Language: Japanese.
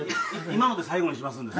今ので最後にしますんで。